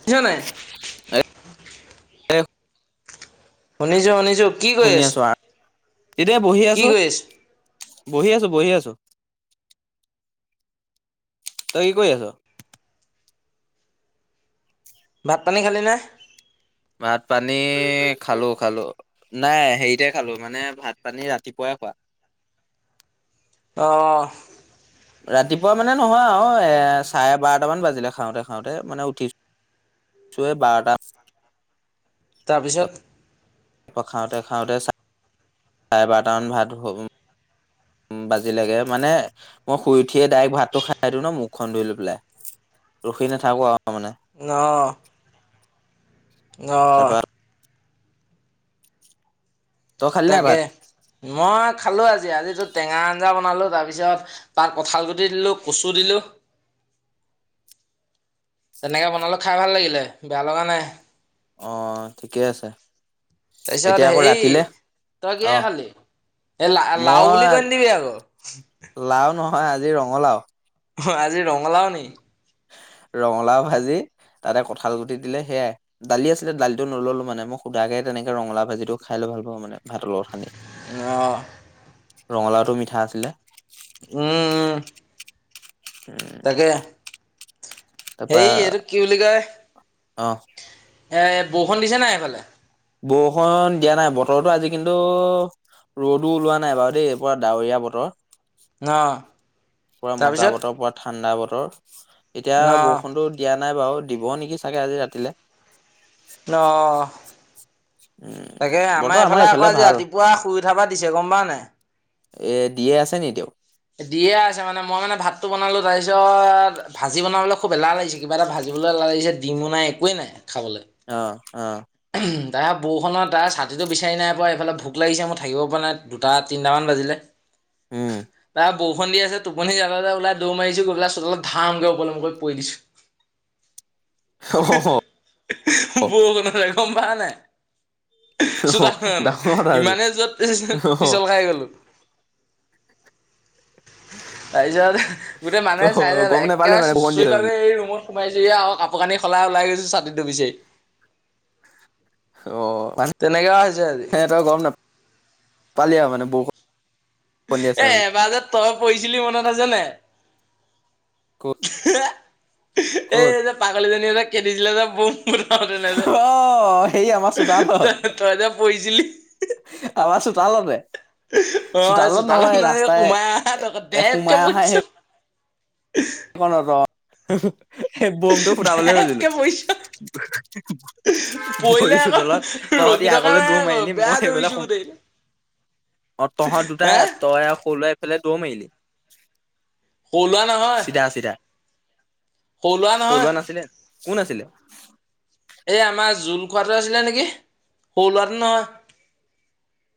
শুনিছা নাই? [unintelligible] শুনিছো শুনিছো। কি কৰি শুনি আছ আছো এতিয়া বহি কি আছো। কৰি আছ বহি আছো বহি আছো। তই কি কৰি আছে? ভাত পানী খালিনে? ভাত পানী খালো খালো। নাই হেৰিতে খালো মানে ভাত পানী ৰাতিপুৱাই খোৱা। অহ! ৰাতিপুৱা মানে নহয় আৰু চাৰে বাৰটামান বাজিলে খাওঁতে খাওঁতে মানে উঠিছো চোয়ে বাৰটা তাৰপিছত? খাওঁতে খাওঁতে চাৰে বাৰটামান ভাত উম বাজিগে মানে মই শুই উঠিয়ে ডাইৰেক্ট ভাতটো খাই দিওঁ ন মুখখন ধুই লৈ পেলাই ৰখি নাথাকো আৰু। মানে অ'। অ'। তাৰপৰা তই খালি নাই তাকে ভাত মই খালো আজি আজিতো টেঙা আঞ্জা খালো তাৰ পিছত তাত কঁঠাল গুটি দিলো কচু দিলো। তেনেকে বনালে খাই ভাল লাগিলে বেয়া লগা নাই। অ', ঠিকে আছে। তাৰপিছত এতিয়া আকৌ হেৰি ৰাতিলে? তই কিহে অ' খালি এই লা লাও বুলি মই কৈ নিদিবি আকৌ লাও নহয় আজি ৰঙালাও! অ', আজি ৰঙালাও নেকি? ৰঙালাও ভাজি তাতে কঁঠাল গুটি দিলে সেয়াই দালি আছিলে দালিটো নললো মানে মই সুদাকে তেনেকে ৰঙলা ভাজিটো খাই ভাল পাওঁ মানে ভাতৰ লগৰ খানি। অহ! ৰঙালাওটো মিঠা আছিলে। উম, উম। উম। তাৰপা হেই এইটো কি বুলি কয় অ এ বৰষুণ দিছে নাই এইফালে? বৰষুণ দিয়া নাই বতৰতো আজি কিন্তু ৰ'দো ওলোৱা নাই বাৰু দেই এই পৰা ডাৱৰীয়া বতৰ। ন? পুৰা মজা বতৰ পুৰা ঠাণ্ডা বতৰ ন এতিয়া বৰষুণতো দিয়া নাই বাৰু দিব নেকি চাগে আজি ৰাতিলে। অহ। উম তাকে বতৰ আমাৰ এইফালে আকৌ আজি ভাল ৰাতিপুৱা শুই উঠাবা দিছে গম পাৱ নাই? এ দিয়ে আছে নি এতিয়াও? দিয়ে আছে মানে মই মানে ভাতটো বনালো তাৰ পিছত ভাজি বনাবলৈ খুব এলাহ লাগিছে কিবা এটা ভাজিবলৈ এলাহ লাগিছে ডিমো নাই একোৱে নাই খাবলৈ। অহ, অ'। তাই বৰষণত তাৰ ছাতিটো বিচাৰি নাই পোৱা এইফালে ভোক লাগিছে মই থাকিব পৰা নাই দুটা তিনিটামান বাজিলে। উম। বৌষন দি আছে টোপনি জলতে ওলাই দৌ মাৰিছো গৈ পেলাই ধামকে অলম্ব কৰি পৰি দিছো চ পক ন ৰখম প নে অ চোতা ন নো ডাঙৰ ৰাজ ইমানেই যত অ পিছল খাই গলো তাৰিছত গোটেই মানুহে অ চাই যে গম নাপালি একেবাৰে মানে বৰষুণ দি আছে চুচৰি বুলি এই ৰুমত সোমাইছোঁহ আৰু কাপোৰ কানি সলাই ওলাই গৈছোঁ ছাতিটো বিচাৰি অ মান তেনেকুৱা হৈছে আজি সিহতৰ গৰম নাপ পালে আৰু মানে বৌ এ এবাৰ যে তই পয়ীছিলি মনত আছানে ক'ত হ এই ক'ত যে পাগলীজনী যে খেদিছিলে যে ব মতে ন যে অ সেই আমাৰ চোতালত তই তই যে পৰিছিলি আমাৰ চোতালতে অ চোতালত নহয় ৰাস্তাই সোমাই আহা এ তক এ ধেপকে সোমাই অহাই পৰিছ সেই কণত বোমটো ফুটাবলৈ সুজিলো ধেপকে পৰিছ পৰিলে ভৰিছো আকৌ তলত তহঁতি ৰখি থকা আগলৈ নাই দূৰ আকৌ মাৰিলিম বেয়া মই দৌৰিছো সেইবিলাক সোম গোটেই অ তহঁত হে দুটাই তই আৰু সৰু এইফালে দৌৰ মাৰিলি হল চিৰা চিৰা সৰু ল'ৰা নহয় থলোৱা নাছিলে কোন আছিলে এ আমাৰ জোল খোৱাতটো আছিলে নেকি সৰু লোৱাটো নহয়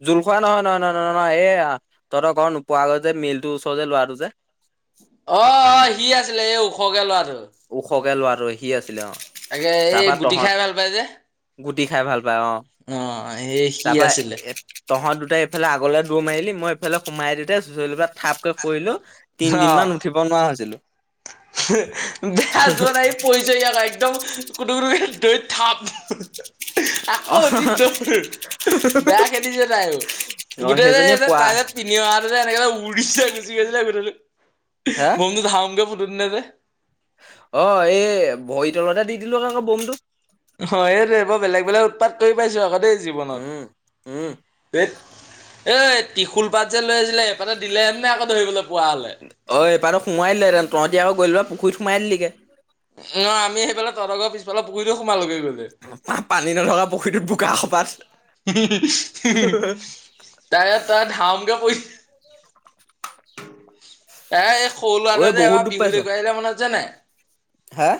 জোলখোৱা নহয় নহয়হ নহয় নহয় এহ তহতৰ ঘৰত নোপোৱা গৈ যে মিলটোৰ ওচৰ যে ল'ৰাটো যে অ অ সি আছিলে এই ওখকে লৰাটো ওখকে ল আৰু সি আছিলে অ তাকে এই তাৰপা গুটি তহঁত খাই ভাল পায় যে গুটি খাই ভাল পায় অ সেই সি তাৰপা আছিলে এ তহঁত দুটাই ইফালে আগলৈ দৌ মআলী মইফাল সোমাইওঁতে চুইচলপাত থাপকৈ কৰিলো অ তিনদিন মমান উঠিব নোৱাৰা হৈছিলো বেয়া যোৱা নাই পৰিছে ইয়াৰ একদম কোনো কে দৈত থাপ অ আকৌ অতি দৰ বেয়া খেলিছে তাইও অ সেইজনীয়ে গটেই পোৱা তাইে পনে এনেক উৰি গলো হা মমটো ধাকে ফুটো নে যে অ এই ভৰিতলতে দি দিলো আকৌ বোমটো অ এইটোৱে বৰ বেলেগ বেলেগ উৎপাত কৰি পাইছোঁ আকৌ দেই জীৱনত উম উম এ তিশুল পাট যে লৈ আছিলে সেইপাতে দিলেহেঁতেন নে আকৌ ধৰিবলৈ পোৱা হ'লে। অ এইপাৰো সোমাই দিলেতে তহতি আকৌ গ'ল পুখুৰীত স্মাইল লকে ন আমি সেইফালে তৰগৰ পিছফালে পানী নথকা পুখুৰীটোত বোকা কপাত তাই তাৰ ধামকে পৰিছে এ এই সৰু ঐ লৰাট যে বহুত এইবাৰ দুখ বিহু পাইছ দে গিলে মনত আছে নে নাই হা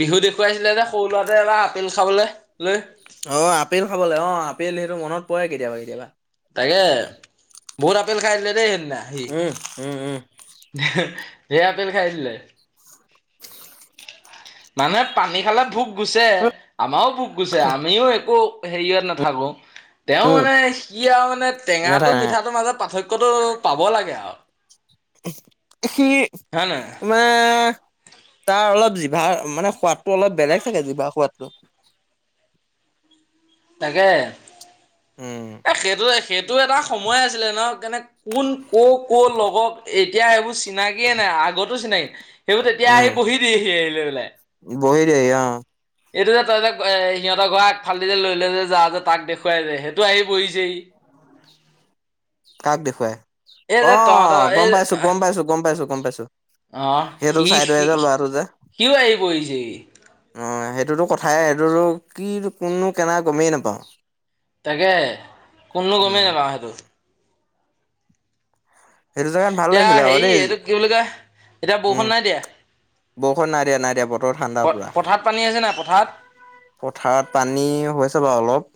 বিহু দেখুৱাইছিলে যে সৰু ল'ৰাট এবাৰ আপেল খাবলৈ লৈ অ আপেল খাবলৈ অ আপিল সেইটো মনত পৰে কেতিয়াবা কেতিয়াবা তাকে বহুত আপেল খাই দিলে দেই সেদিনা সি উম উম উম ধেৰ আপেল খাই দিলে। মানে পানী খালে ভোক গুছে। আমাৰো ভোক গুছে, আমিও একো হেৰিয়ত নাথাকো। তেও উম মানে, সি আৰু মানে টেঙাটো, নাথাকে নাই মিঠাটোৰ মাজত পাৰ্থক কটো লাগে আৰু। সি হয় নে মে, তাৰ অলপ জিভাৰ, মানে সোৱাদ টো অলপ বেলেগ চাগে, জিভাৰ সোৱাদটো। তাকে। উম, এ সেইটো-সেইটো এটা সময় আছিলে নহ। কেনে কোন ক-ক লগক এই এতিয়া এইবোৰ চিনাকিয়ে নাই, আগটো চিনাই তেওঁ তেতিয়া আহি উম বহি দিয়েহি আহি লৈ পেলাই। বহি দেৰি অ এইটো যে, তই যে, এ সিহঁতৰ ঘৰৰ আগফালদি যে লৈ লে যে যাও যে, তাক দেখুৱাই যে হেতু আহি বহিছেহি। কাক দেখুৱাই? এই যে তহঁতৰ অ', এই গম পাইছো, গম পাইছো, গম পাইছো। গম পাইছো অ সেইটো সি চাইদৰে যে, সি লৰাটো যে। সিও আহি পৰিছেহি অ, সেই -টোতো কথাই, সেইটোতো কি নো, কোননো? কেনা, গমেই নাপাওঁ। তাকে, কোননো গমেই উম নাপাওঁ সেইটো। সেইটো জেগাত ভাল এতিয়া লাগিছিলে আক হেৰি দেই। এইটো কি বুলি কয় এতিয়া বৰষুণ উম। নাই দিয়া বৰষুণ নাইদিয়া, নাইদিয়া ব প- পথাৰত পানী হৈছেনে নাই, পথাৰত? পথাৰত পানী, হৈছে বাৰু অলপ।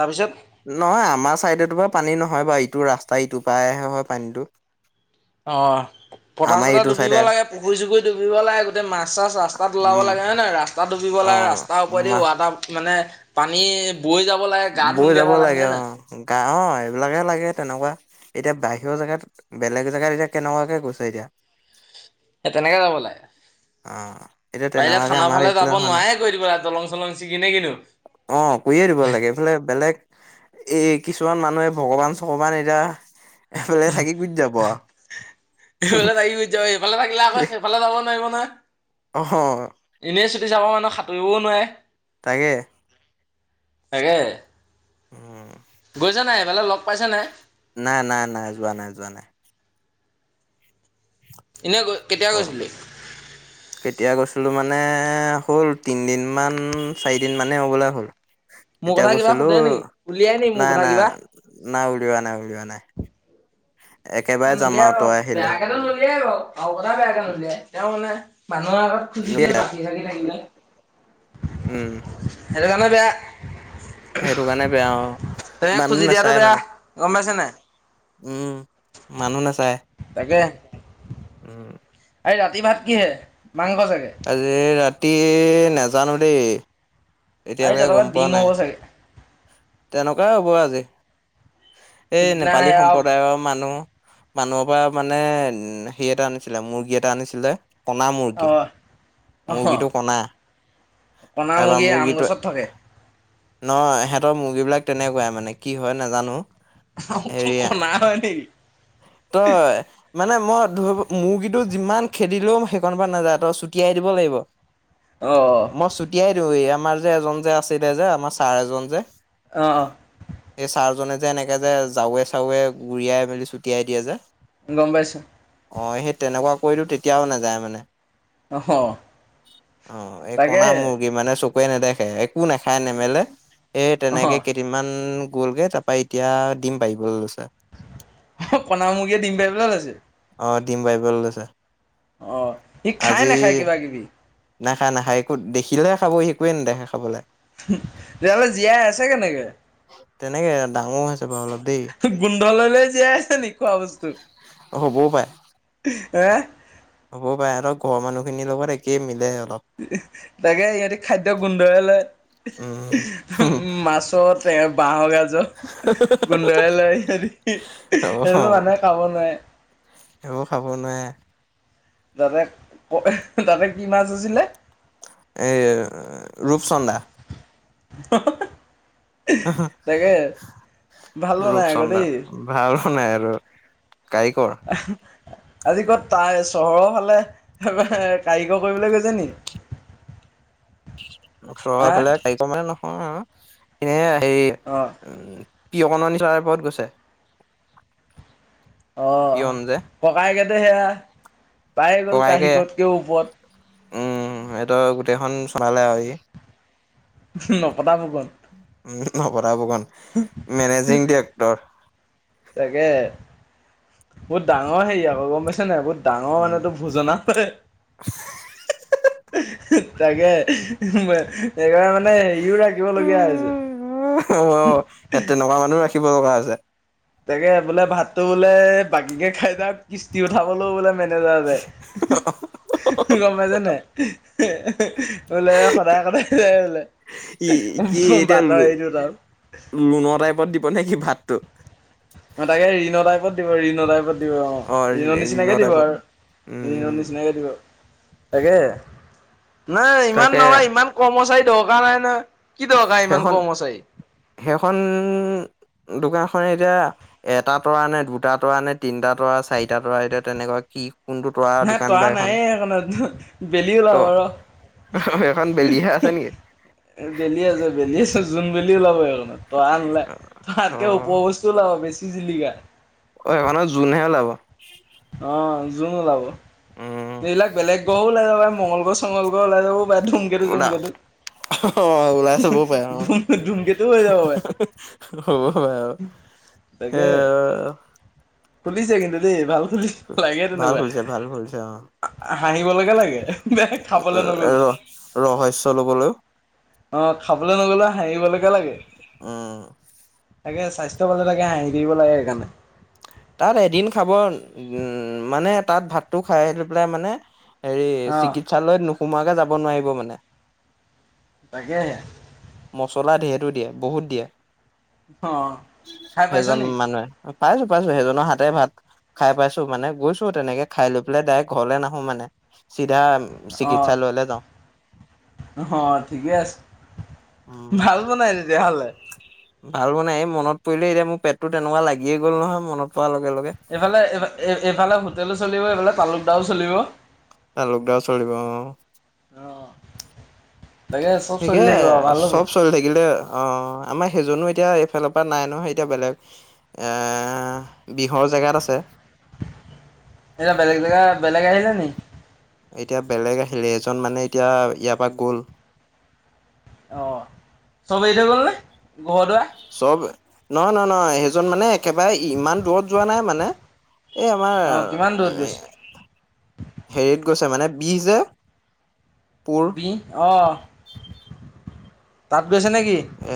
তাৰ পিছত? নহয় আমাৰ চাইদেটো বাৰু পানী নহয় বাৰু, ইটো ৰাস্তাৰ ইটো পাৰেহে হয় পানীটো। অহ। আমাৰ পথাৰ-চথাৰ এইটো ডুবিব চাইডে লাগে, পুখুৰী-চুখুৰী ডুবিব লাগে, গোটেই মাছ-চাছ ৰাস্তাত ওলাব উম লাগে। হয় নে নাই ৰাস্তা ডুবিব। [unintelligible] অ' ৰাস্তাৰ ওপৰেদি মাহ ৱাটাৰ মানে পানী বৈ যাব লাগে গা বৈ ধুমগে যাব তাত আমি লাগে, হয় অ, নাই গাঁৱত। ঠাই বিলাকহে লাগে তেনেকুৱা। এতিয়া বাহিৰৰ জেগাত, বেলেগ জেগাত এতিয়া কেনেকুৱাকে গৈছে এতিয়া? সেই তেনেকে যাব লাগে। অ'। এতিয়া পাৰিলে তেনেকুৱাকে থানা আমাৰ ফালে এইফালে যাব হোৱা নাই নোৱাৰাই কৰি দিব লাগে, দলং দলঙ ছিগি নে কিনো? অ, কৰিয়ে দিব লাগে। এইফালে বেলেগ এই কিছুমান মানুহে ভগৱান-চগৱান এতিয়া, এফালে থাকি বুজি যাব আৰু। এইফালে থাকি বুজি যাব। এইফালে থাকিলে আকৌ, সেইফালে যাব নোৱাৰিব নহয়। অহ। চুটি চাপৰ মানুহ সাঁতুৰিবও নোৱাৰে। তাকে। তাকে। উম। গৈছা নাই, এইফালে লগ পাইছা নাই? নাই-নাই-নাই, যোৱা নাই, যোৱা নাই। এনেই গৈ, কেতিয়া অ'। গৈছিলি? কেতিয়া গৈছিলোঁ মানে, হ'ল তিনিদিনমান চাৰিদিনমানেই হ'বলে হ'ল। মোৰ তেতিয়া কথা কিবা গৈছিলো। সোধে নেকি উলিয়াই নি মোৰ কথা নাই-নাই, কিবা নাই উলিওৱা নাই, উলিওৱা নাই। [inaudible] একেবাৰে যাম নোলিয়াই আৰু বাৰু, তই আহিলে। বেয়াকেটো নোলিয়াই বাৰু, কাৰো কথা বেয়াকে নোলিয়াই। তেওঁ মানে মানুহৰ আগত খুজি দিয়ে, বাকী-চাকি থাকিলে। উম। হেইটো কাৰনে বেয়া। সেইটো কাৰণে বেয়া অ তেনেকে মানুহ খুজি দিয়াটো নাচায় বেয়া। মানে গম পাইছা নে নাই? উম। মানুহ নাচায়। [unintelligible] উম'। এই ৰাতি ভাত কিহে? মাংস চাগে। তি নাজানো দেই। এই এতিয়ালৈকে তহঁতৰ গম ঘৰত পোৱা ডিম নাই হ'ব চাগে। তেনেকুৱাই হ'ব আজি এই সিদিনা নেপালী সেয়া অ সম্প্ৰদায়ৰ মানুহ মানুহৰ পৰা মানে সে এটা আনিছিলে মুৰ্গী এটা আনিছিলে। কনা মুৰ্গী, অ মুৰ্গীটো কনা। কণা তাৰপৰা মুৰ্গী আম মুৰ্গীটো গছত থাকে নহয় সে মুৰ্গী বিলাক তেনেকুৱাই মানে কি হয় নাজানো। হেৰি [unintelligible] কনা হয় নেকি। তই মানে মই ধৰিব মুৰ্গীটো যিমান খেদিলেও সেইকণ পৰা নাযায় তই চোটিয়াই দিব লাগিব। অ মই ছুটিয়াই দিওঁ, আমাৰ যে এজন যে আছিলে যে আমাৰ ছাৰ এজন যে। অ', অ', এই ছাৰজনে যে এনেকে যে যাওৱে চাওৱে ঘুৰিয়াই মেলি চুট তিয়াই দিয়া যে। গম পাইছো। অ' সেই তেনেকুৱা কৰিটো তেতিয়াও নাযায় মানে। অ', অ, এই কনাা তাকেহে মুৰ্গী মানে চক একোৱে নেদেখে একো নাখায় নেমলে এই তেনেকে অ', কেইদিমান গ'লগৈ তাৰপৰা এতিয়া দিম পাৰিব লচা অ, কনা মুৰ্গীয়ে দিম পাৰিবলৈ লৈছে। অ, দিম বাইবল আছে। অ, সি খাই নাখায় কিবা কিবি নাখায় - নাখায় একো দেখিলেহে খাব স একোৱে নেদেখে খাবলৈ। তেতিয়াহ'লে জীয়াই আছে কেনেকে তেনেকে ডাঙৰ হৈছে। বাৰু অলপ দেই গোন্ধ ললে জীয়াই আছে ন খোৱা বস্তু এহ, হ'ব বাই আৰু ঘৰৰ মানুহ খিনিৰ লগত একেই মিলে আৰু। তাকে সিহতি খাদ্য গোন্ধই লয়। উম মাছত বাহৰ গাজৰ গোন্দৰে লয় সিহ। সেইটোতো মানুহে খাব নোৱাৰে। এইবোৰ খাব নোৱাৰে। তাতে ক তাতে কি মাছ আছিলে। এ ৰূপচন্দা হ - হ - হ। ভাল বনাই আকৌ ৰূপচন্দা দেই ভালো নাই আৰু। কাৰিকৰ আহ, আজি কত তাই চহৰৰ ফালে কাৰিকৰ কৰিবলৈ গৈছে উ [inaudible] নিক। ওচৰৰ আহ ফালে তাইক মানে নহয় আৰু এনে সেই অ' উম, পিয়কননি চৰাইওৰত গৈছে। অ, পিয়ন যে ককাইকেইদ সেয়া পায় গ'ল কহী ককায়েকে কতকে ওপৰত উম, সেইটো গোটেইখন চোমালে আৰু ই নকটাব ক উ, নপৰা বগান। মেনেজিং ডিৰেক্টৰ তাকে বহুত ডাঙৰ হেৰি আকৌ গম পাইছে নাই বহুত ডাঙৰ উম মানহেতো ভোজনা তাকে একবাৰে মানে হেৰিও ৰাখিবলগীয়া হৈছে ই তেনেকুৱা মানুহ ৰাখিব লগা আছে তাকে বোলে ভাতো বোলে বাকীকে খাই তাৰ কিস্তি উঠাবলৈও বোলে মে যাতে গম পাইছে ন ওলে সদায় সদায় ওলাই োলে ই কি এতিয়া ল লোনৰ টাইপত দিব নে কি ভাতটো উম তাকে ঋণ টাইত দিব ঋণৰ টাইপত। দিব অ ঋণৰ নিচিনাকে দিব আৰু ঋণৰ উম, নিচিনাকে দিব। তাকে নাই ইমান তাকে নহয় ইমান কৰ্মচাৰী দৰকাৰ নাই নহয়। কি দৰকাৰ ইমান সেইখন কৰ্মচাৰী সেইখন দোকান- খনে এতিয়া এটা তৰা নে দুটা তৰা নে তিনটা তৰা চাৰিটা তৰা এতিয়া তেনেকুৱা কি কোনটো তৰা নাই দোকান তৰা বা এখন নাই সেইখনত বেলি ওলাব আৰু। সেই খন বেলি হে আছে নেকি? বেলি আছ। বেলি আছে, জোন বেলি ওলাব সেইখনত তৰা নুলাই অ', তাতকে ওপৰ বস্তু ওলাব বেছি জিলিকা। অ এখনত জোন হে ওলাব। অ জোন ওলাব এই উম, এইবিলাক বেলেগ গ্ৰহ ওলাই যাব মঙগল গ্ৰ্হ চঙ্ল গ্ৰ্হ ওলাই যাব পাই ধুম কেতু জুম ওলা কেতু। অ ওলাই চাবও পাৰে অ ধুমকেতু হৈ যাব পাৰে হ'ব পাৰে আৰু। তাকে। এ ফুলিছে কিন্তু দেই ভাল খুলি লাগে ভাল তেনেকুৱা। খুলিছে ভাল খুলিছে হাঁহিবলৈকে লাগে। বেয়া খাবলৈ নগ'ল ৰ ৰহস্য লবলৈও। অ খাবলৈ নগলে হাঁহিবলৈকে লাগে। আহ। তাকে স্বাস্থ্য ভালে লাগে হাঁহি দিব লাগে সেইকাৰণে। তাত এদিন খাব উম মানে তাত ভাতটো খাই লৈ পেলাই মানে হেৰি অ চিকিৎসালয়ত নোসুমোৱাকে যাব নোৱাৰিব মানে। তাকেহে। মচলা দিয়ে সেইটো দিয়ে বহুত দিয়ে অ খাই পাইছ সেইজন নি মানুহে। পাইছো পাইছো সেইজনৰ হাতে ভাত খাই পাইছো মানে গৈছো তেনেকে খাই লৈ পেলাই ডাইৰেক্ট ঘৰলৈ নাহো মানে। চিধা অ চিকিৎসালয় লৈ যাওঁ। অ ঠিকে আছে উম ভাল বনাই তেতিয়াহলে। ভাল মানে এই মনত পৰিলে এতিয়া মোৰ পেটটো তেনেকুৱা লাগিয়ে গ'ল নহয় মনত প- এইফালে এইফালে হোটেলো চলিব এইফালে তালুকদাৰো চলিব। তালুক দাও চলিব অ। অ তাকে চব চলি সিকে থাকিব আৰু ভাল হ'ব চব চলি থাকিলে অ আমাৰ সেইজনো এতিয়া এইফালৰ পৰা নাই নহয় এতিয়া বেলেগ এ বিহৰ জেগাত আছে। [inaudible] এতিয়া বেলেগ জেগা [unintelligible] এতিয়া বেলেগ আহিলে এজন মানে এতিয়া ইয়াৰ পৰা গ'ল। অ চব এৰি থৈ গ'ল নে ঘৰ দুৱাৰ? নহ নহ নহয় সেইজন মানে একেবাৰে ইমান দূৰত যোৱা নাই মানে। এই আমাৰ অঁ কিমান দূৰত গৈছে হেৰিত গৈছে মানে বিষ যে? পুৰ বিহ আহ। গৈছে নে কি? এ